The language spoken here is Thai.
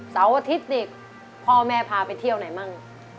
เสาร์อาทิตย์นี่พ่อแม่พาไปเที่ยวไหนมั่ง